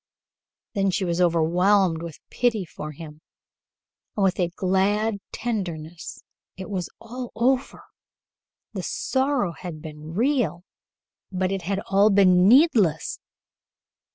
Then she was overwhelmed with pity for him, and with a glad tenderness. It was all over. The sorrow had been real, but it had all been needless.